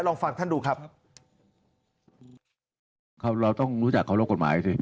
ลองฟังท่านดูครับครับเราต้องรู้จักขวดลดกฎหมายซิ